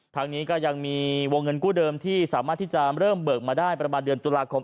ทางนี้ก็ยังมีวงเงินกู้เดิมที่สามารถที่จะเริ่มเบิกมาได้ประมาณเดือนตุลาคม